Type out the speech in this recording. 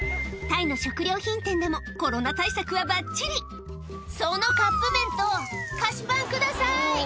タイの食料品店でもコロナ対策はばっちり「そのカップ麺と菓子パンください」